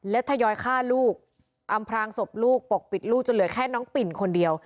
และทยอยฆ่าลูกอำพลางศพลูกปกปิดลูกจนเหลือแค่น้องปิ่นคนเดียว